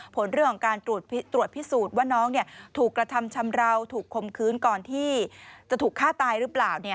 ผลเรื่องของการตรวจพิสูจน์ว่าน้องถูกกระทำชำราวถูกคมคืนก่อนที่จะถูกฆ่าตายหรือเปล่า